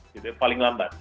jadi paling lambat